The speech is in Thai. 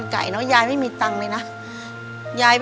ขอบคุณครับ